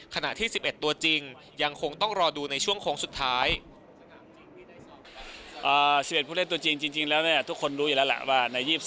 ขณะที่๑๑ตัวจริงยังคงต้องรอดูในช่วงโค้งสุดท้าย